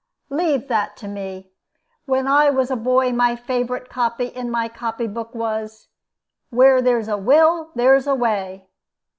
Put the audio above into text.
"Leave that to me. When I was a boy my favorite copy in my copy book was, 'Where there's a will there's a way.'